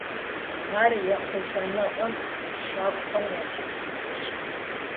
Ар ехъулӀэныгъэм и щэхухэм ящыщ зыщ.